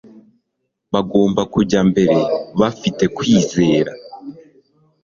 Bagomba kujya mbere bafite kwizera